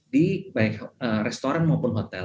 di baik restoran maupun hotel